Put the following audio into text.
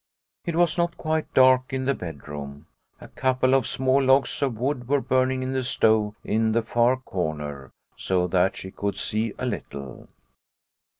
It was not quite dark in the bedroom. A couple of small logs of wood were burning in 19 2O Liliecrona's Home the stove in the far corner, so that she could see a little.